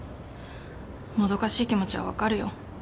もどかしい気持ちは分かるよ。